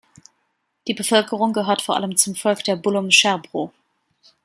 Die Bevölkerung gehört vor allem zum Volk der Bullom-Sherbro.